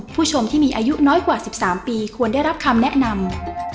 ผู้ชมที่มีอายุน้อยกว่า๑๓ปีควรได้รับคำแนะนำ